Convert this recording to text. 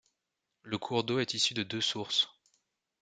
Le cours d'eau est issu de deux sources.